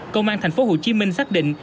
công an tp hcm xác định